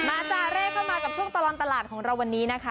จ้าแรกเข้ามากับช่วงตลอดตลาดของเราวันนี้นะคะ